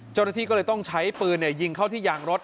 เจ้าหน้าที่ก็เลยต้องใช้ปืนยิงเข้าที่ยางรถ